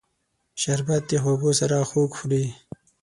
شربت د خوږو سره خوږ خوري